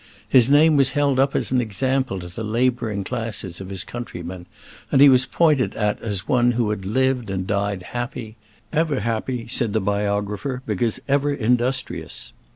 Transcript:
His name was held up as an example to the labouring classes of his countrymen, and he was pointed at as one who had lived and died happy ever happy, said the biographer, because ever industrious.